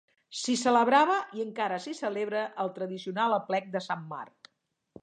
S'hi celebrava i encara s'hi celebra el tradicional aplec de Sant Marc.